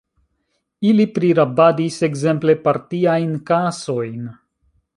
Ili prirabadis, ekzemple, partiajn kasojn.